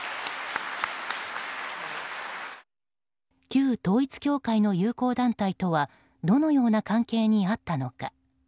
旧統一教会の友好団体とはどのような関係にあったのか。